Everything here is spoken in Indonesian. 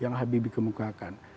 yang habibie kemukakan